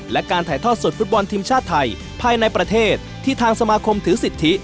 และการถ่ายทอดสดฟุตบอลทีมชาติไทยภายในประเทศที่ทางสมาคมถือสิทธิ